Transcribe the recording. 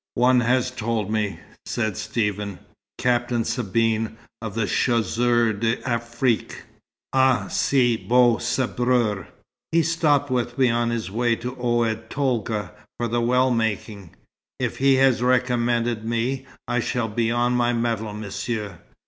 "One has told me," said Stephen. "Captain Sabine, of the Chasseurs d'Afrique." "Ah, ce beau sabreur! He stopped with me on his way to Oued Tolga, for the well making. If he has recommended me, I shall be on my mettle, Monsieur."